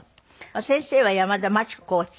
先生は山田満知子コーチ？